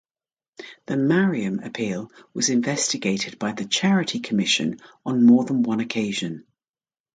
The Mariam Appeal was investigated by the Charity Commission on more than one occasion.